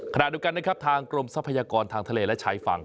ขณะเดียวกันนะครับทางกรมทรัพยากรทางทะเลและชายฝั่ง